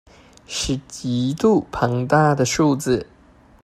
是極度龐大的數字